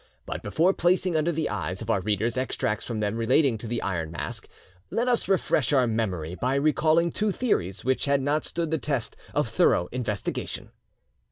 But before placing under the eyes of our readers extracts from them relating to the Iron Mask, let us refresh our memory by recalling two theories which had not stood the test of thorough investigation.